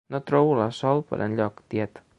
No trobo la Sol per enlloc, tiet.